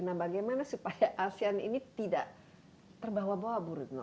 nah bagaimana supaya asean ini tidak terbawa bawa burut